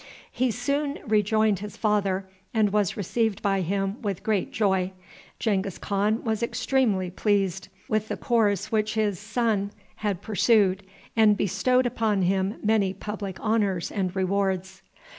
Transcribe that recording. He soon rejoined his father, and was received by him with great joy. Genghis Khan was extremely pleased with the course which his son had pursued, and bestowed upon him many public honors and rewards.